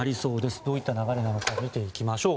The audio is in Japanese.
どういった流れなのか見ていきましょう。